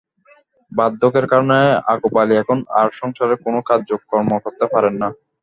বার্ধ্যকের কারণে আকুব আলী এখন আর সংসারের কোনো কাজকর্ম করতে পারেন না।